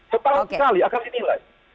setahun sekali akan dinilai